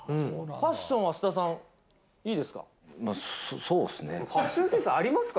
ファッションは菅田さん、いいですか？